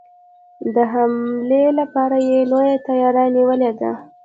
د حملې لپاره یې لويه تیاري نیولې ده.